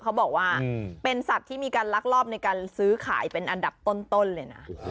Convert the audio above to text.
เขาบอกว่าเป็นสัตว์ที่มีการลักลอบในการซื้อขายเป็นอันดับต้นเลยนะ